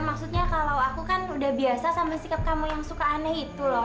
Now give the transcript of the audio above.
maksudnya kalau aku kan udah biasa sama sikap kamu yang suka aneh itu loh